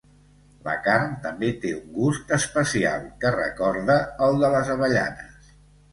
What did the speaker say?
La carn també té un gust especial, que recorda el de les avellanes.